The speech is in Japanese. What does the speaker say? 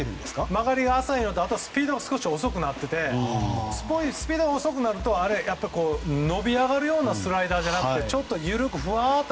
曲がりが浅いのとスピードが遅くなっていてスピードが遅くなると伸び上がるようなスライダーではなくてゆるくふわっと